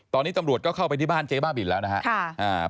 ตอนนี้ตำรวจก็เข้าไปที่บ้านเจ๊บ้าบินแล้วนะครับ